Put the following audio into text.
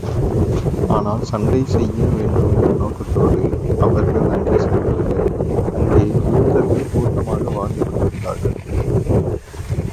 ஆனால் சண்டை செய்ய வேண்டும் என்ற நோக்கத்தோடு அவர்கள் அங்கே செல்லவில்லை அங்கே யூதர்கள் கூட்டமாக வாழ்ந்து கொண்டிருந்தார்கள்.